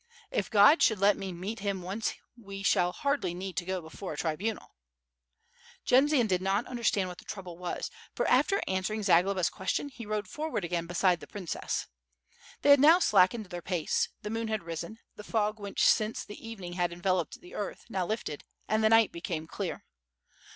"If God should let me meet him once we shall hardly need to go before a tribunal." Jendzian did not understand what the trouble was, for after answering Zagloba's question, he rode forward again beside the princess. They had now slackened their pace, the moon had risen, the fog which since the evening had en veloped the earth now lifted, and the night became clear.